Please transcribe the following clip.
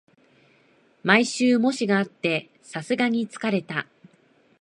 毎週、模試があってさすがに疲れた